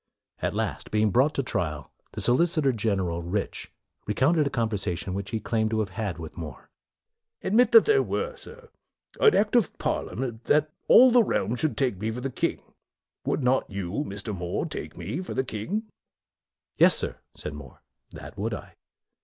At last, being brought to trial, the so licitor general, Rich, recounted a conver sation which he claimed to have had with More. " Admit that there were, sir, an Act of Parliament, that all the Realm should take me for the king, would not you, Mr. More, take me for the king? ' MORE 49 " Yes, sir," said More, " that would I."